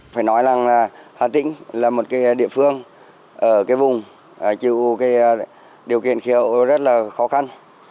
phải nói rằng là hà tĩnh là một địa phương ở cái vùng chịu cái điều kiện khí hậu rất là khó khăn